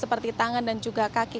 seperti tangan dan juga kaki